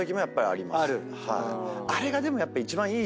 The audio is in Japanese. あれがでもやっぱ。